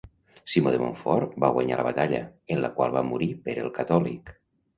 Simó de Montfort va guanyar la batalla, en la qual va morir Pere el Catòlic.